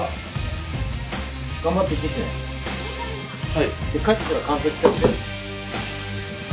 はい。